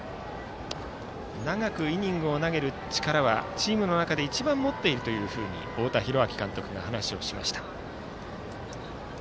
長くイニングを投げる力はチームの中で一番持っていると太田弘昭監督が話をしました。